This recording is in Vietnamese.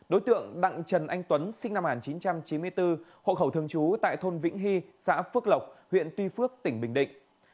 đối tượng đặng trần anh tuấn sinh năm một nghìn chín trăm chín mươi bốn hộ khẩu thường trú tại thôn vĩnh hy xã phước lộc huyện tuy phước tỉnh bình định